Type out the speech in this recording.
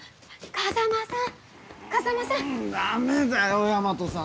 風真さん。